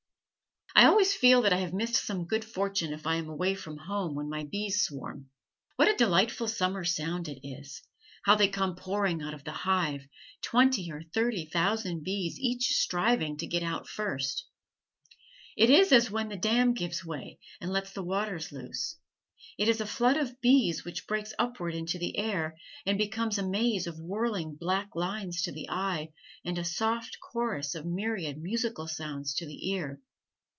I always feel that I have missed some good fortune if I am away from home when my bees swarm. What a delightful summer sound it is; how they come pouring out of the hive, twenty or thirty thousand bees each striving to get out first; it is as when the dam gives way and lets the waters loose; it is a flood of bees which breaks upward into the air, and becomes a maze of whirling black lines to the eye and a soft chorus of myriad musical sounds to the ear.